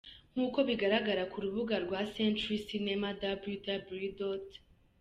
Nk’uko bigaragara ku rubuga rwa Century Cinema, www.